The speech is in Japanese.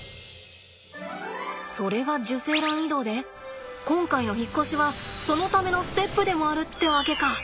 それが受精卵移動で今回の引っ越しはそのためのステップでもあるってわけか。